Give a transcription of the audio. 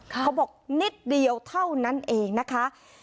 เขาบอกนิดเดียวเท่านั้นเองนะคะ